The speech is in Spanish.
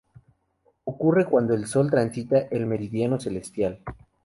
Ocurre cuando el Sol transita el meridiano celestial.